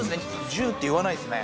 ジュっていわないっすね。